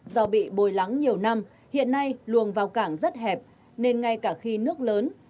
do bị bồi lắng nhiều năm hiện nay luồng vào cảng rất hẹp nên ngay cả khi nước lớn